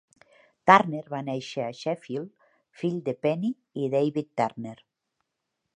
Turner va néixer a Sheffield, fill de Penny i David Turner.